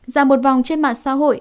dạng một vòng trên mạng xã hội